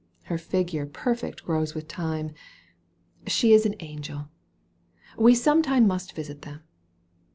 Her figure perfect grows with time ! She is an angel ! We sometime Must visit them.